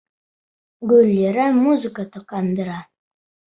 Гөллирә музыка тоҡандыра.